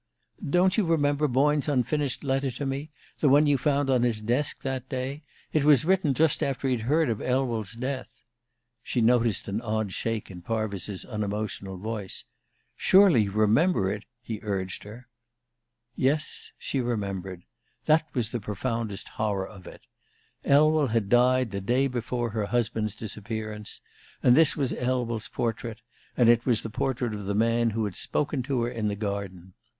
"Don't you remember Boyne's unfinished letter to me the one you found on his desk that day? It was written just after he'd heard of Elwell's death." She noticed an odd shake in Parvis's unemotional voice. "Surely you remember that!" he urged her. Yes, she remembered: that was the profoundest horror of it. Elwell had died the day before her husband's disappearance; and this was Elwell's portrait; and it was the portrait of the man who had spoken to her in the garden.